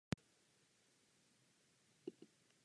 Chtěl bych vás požádat o minutu ticha.